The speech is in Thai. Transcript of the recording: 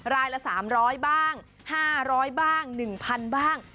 รายละ๓๐๐บ้าง๕๐๐บ้าง๑๐๐๐บ้าง